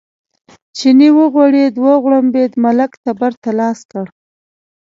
چیني وغورېد، وغړمبېد، ملک تبر ته لاس کړ.